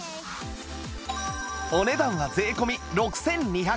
お値段は税込６２８０円